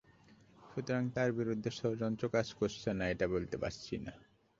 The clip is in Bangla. সুতরাং তাঁর বিরুদ্ধে ষড়যন্ত্র কাজ করছে না, এটা বলতে পারছি না।